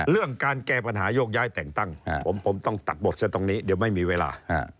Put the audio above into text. เรื่องการแก้ปัญหาโยกย้ายแต่งตั้งผมต้องตัดบทซะตรงนี้เดี๋ยวไม่มีเวลา